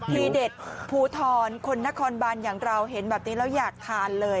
ทีเด็ดภูทรคนนครบันอย่างเราเห็นแบบนี้แล้วอยากทานเลย